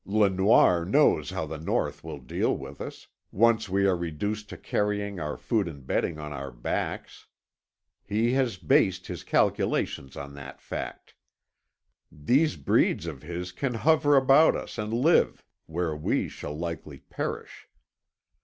Le Noir knows how the North will deal with us, once we are reduced to carrying our food and bedding on our backs. He has based his calculations on that fact. These breeds of his can hover about us and live where we shall likely perish.